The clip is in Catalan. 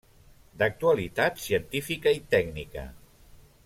D’actualitat científica i tècnica.